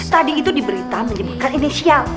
tadi itu diberita menyebutkan inisial